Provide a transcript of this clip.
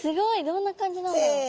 どんな感じなんだろう。